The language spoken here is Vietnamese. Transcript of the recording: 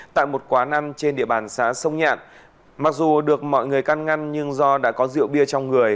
tại một quán ăn trên địa bàn xã sông nhạn mặc dù được mọi người căn ngăn nhưng do đã có rượu bia trong người